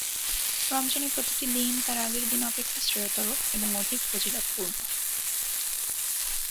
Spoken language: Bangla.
রমজানের প্রতিটি দিন তার আগের দিন অপেক্ষা শ্রেয়তর এবং অধিক ফজিলতপূর্ণ।